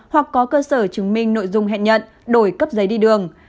hoặc có cơ sở chứng minh nội dung hẹn nhận đổi cấp giấy đi đường